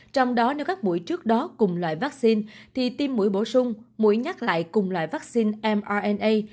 trong đó nếu các mũi trước đó cùng loại vắc xin thì tiêm mũi bổ sung mũi nhắc lại cùng loại vắc xin mrna